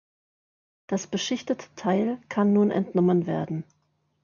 Das beschichtete Teil kann nun entnommen werden.